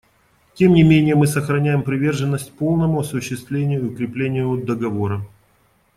Тем не менее мы сохраняем приверженность полному осуществлению и укреплению Договора.